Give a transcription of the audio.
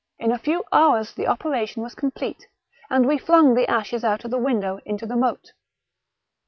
In a few hours the operation was complete, and we flung the ashes out of the window into the moat."